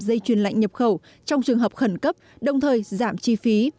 dây chuyền lạnh nhập khẩu trong trường hợp khẩn cấp đồng thời giảm chi phí